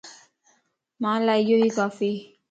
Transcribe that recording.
مان لا اھو اي ڪافيَ